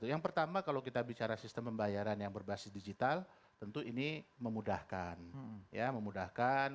yang pertama kalau kita bicara sistem pembayaran yang berbasis digital tentu ini memudahkan